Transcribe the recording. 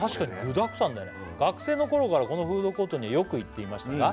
具だくさんだよね「学生の頃からこのフードコートにはよく行っていましたが」